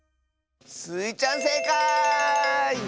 スイちゃんせいかい！